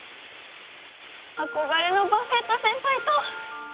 憧れのバフェット先輩と！